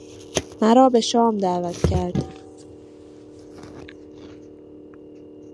مرا به شام دعوت کرد.